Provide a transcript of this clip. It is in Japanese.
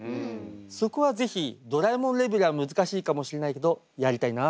そこは是非ドラえもんレベルは難しいかもしれないけどやりたいなと。